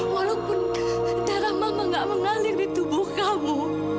walaupun darah mama gak mengalir di tubuh kamu